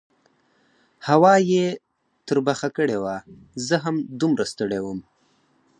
هوا یې تربخه کړې وه، زه هم دومره ستړی وم.